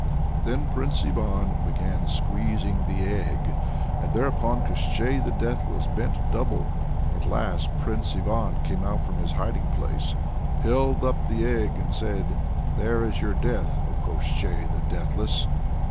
Then Prince Ivan began squeezing the egg, and thereupon Koshchei the Deathless bent double. At last Prince Ivan came out from his hiding place, held up the egg and said, "There is your death, O Koshchei the Deathless!"